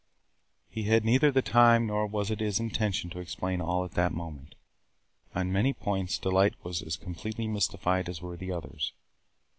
He had neither the time nor was it his intention to explain all at that moment. On many points Delight was as completely mystified as were the others.